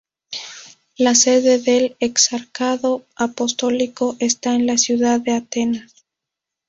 La sede del exarcado apostólico está en la ciudad de Atenas.